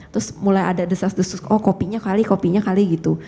terus mulai ada desas desus oh kopinya kali kopinya kali gitu